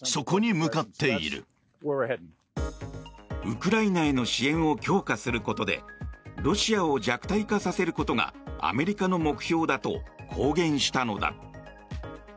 ウクライナへの支援を強化することでロシアを弱体化させることがアメリカの目標だと公言したのだ。